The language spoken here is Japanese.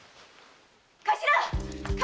・頭！